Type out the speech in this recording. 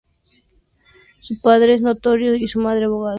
Su padre es notario y su madre, abogada.